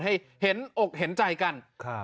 ให้เห็นอกเห็นใจกัน